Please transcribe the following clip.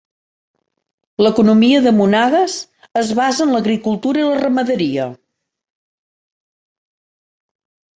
L'economia de Monagas es basa en l'agricultura i la ramaderia.